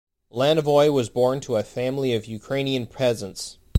Lanovoy was born to a family of Ukrainian peasants.